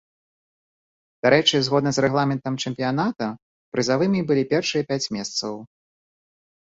Дарэчы, згодна з рэгламентам чэмпіяната прызавымі былі першыя пяць месцаў.